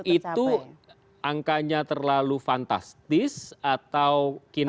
itu angkanya terlalu fantastis atau kinerja